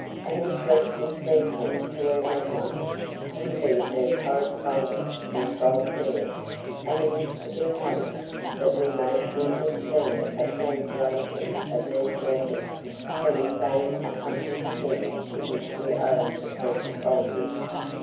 An interesting sequel to her Memoirs would be her correspondence with Voltaire, and it is to be hoped that we may shortly see a translation of these letters from the same accomplished pen to which we owe the present volume.